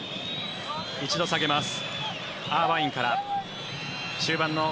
一度下げます。